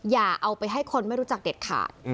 อย่าเอาไปให้คนไม่รู้จักเด็ดขาด